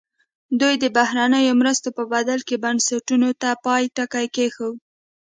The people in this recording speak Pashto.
دوی د بهرنیو مرستو په بدل کې بنسټونو ته پای ټکی کېږدي.